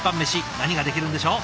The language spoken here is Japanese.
何ができるんでしょう。